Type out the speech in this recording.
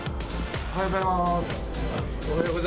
おはようございます。